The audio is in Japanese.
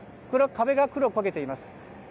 壁が黒く焦げています。